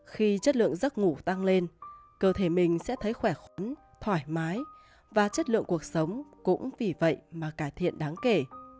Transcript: khi chất lượng giấc ngủ tăng lên cơ thể mình sẽ thấy khỏe khoắn thoải mái và chất lượng cuộc sống cũng vì vậy mà cải thiện đáng kể